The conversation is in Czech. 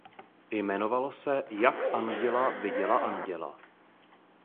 Jmenovalo se Jak Anděla viděla anděla.